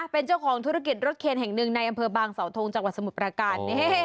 เป็นเจ้าของธุรกิจรถเคนแห่งหนึ่งในอำเภอบางสาวทงจังหวัดสมุทรประการ